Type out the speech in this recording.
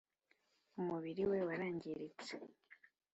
Umubiri we warangiritse.